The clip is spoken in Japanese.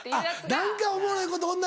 何かおもろいこと女